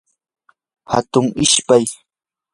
hatun ispay